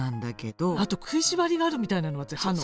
あと食いしばりがあるみたいなの私歯の。